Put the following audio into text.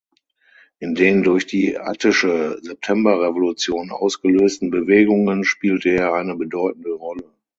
In den durch die attische Septemberrevolution ausgelösten Bewegungen spielte er eine bedeutende Rolle.